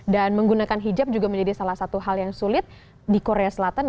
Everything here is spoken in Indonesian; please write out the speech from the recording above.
dan menggunakan hijab juga menjadi salah satu hal yang sulit di korea selatan